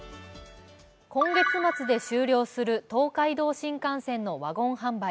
今月末で終了する東海道新幹線のワゴン販売。